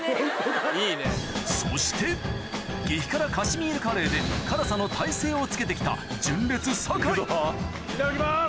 そして激辛カシミールカレーで辛さの耐性をつけて来た純烈・酒井いただきます！